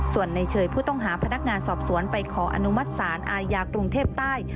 ส่วนในเชยผู้ต้องหาพนักงานสอบสวนไปขออนุมัติศาลอาญากรุงเทพใต้